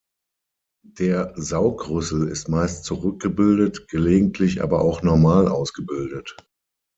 Der Saugrüssel ist meist zurückgebildet, gelegentlich aber auch normal ausgebildet.